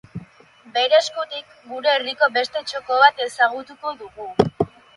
Bere eskutik, gure herriko beste txoko bat ezagutuko dugu.